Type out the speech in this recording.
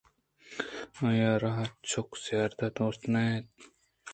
آئی ءَ را چک زیات ءَ دوست نہ اِت اَنت